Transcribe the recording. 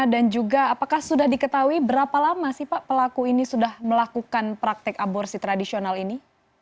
dan juga apakah sudah diketahui berapa lama sih pak pelaku ini sudah melakukan praktek aborsi tradisional ini